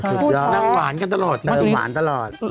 สุดยอดเลยนะหวานตลอดนั่งหวานกันตลอดนะ